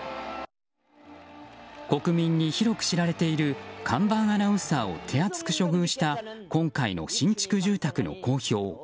国民に広く知られている看板アナウンサーを手厚く処遇した今回の新築住宅の公表。